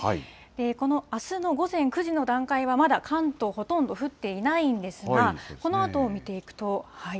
このあすの午前９時の段階は、まだ関東、ほとんど降っていないんですが、このあとを見ていくと。